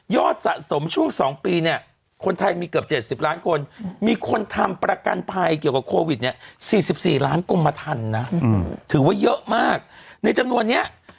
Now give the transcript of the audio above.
ยอดสะสมช่วง๒ปีเนี่ย